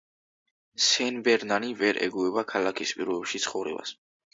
სენბერნარი ვერ ეგუება ქალაქის პირობებში ცხოვრებას.